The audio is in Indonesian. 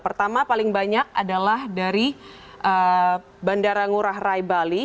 pertama paling banyak adalah dari bandara ngurah rai bali